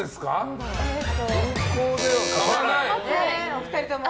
お二人とも。